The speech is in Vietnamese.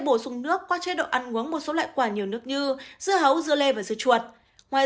bổ sung nước qua chế độ ăn uống một số loại quả nhiều nước như dưa hấu dưa lê và dưa chuột ngoài